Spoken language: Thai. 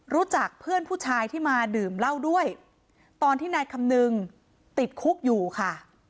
รู้จักเพื่อนผู้ชายที่มาดื่มเหล้าด้วยตอนที่นายคำนึงติดคุกอยู่ค่ะ